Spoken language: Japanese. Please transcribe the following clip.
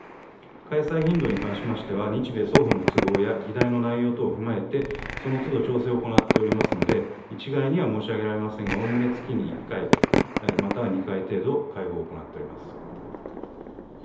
開催頻度に関しましては、日米双方の都合や議題の内容等を踏まえてそのつど調整を行っておりますので、一概には申し上げられませんが、おおむね月に１回、または２回程度、会合を行っております。